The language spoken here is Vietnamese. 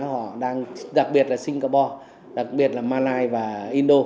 họ đang đặc biệt là singapore đặc biệt là malaysia và indo